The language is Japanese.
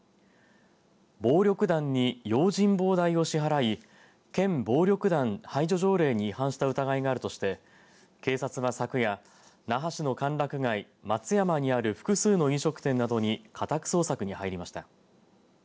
暴力団に用心棒代を支払い県暴力団排除条例に違反した疑いがあるとして警察は昨夜那覇市の歓楽街松山にある複数の飲食店などに家宅捜索に入りました。